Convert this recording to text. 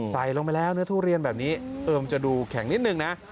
ใส่ลงไปแล้วเนื้อทุเรียนแบบนี้มันจะดูแข็งนิดนึงนะ